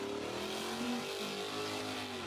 Tima sena